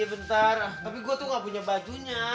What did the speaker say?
iya bentar tapi gua tuh enggak punya bajunya